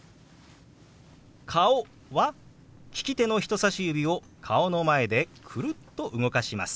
「顔」は利き手の人さし指を顔の前でくるっと動かします。